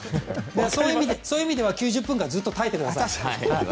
そういう意味では９０分間ずっと耐えてください。